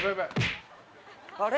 あれ？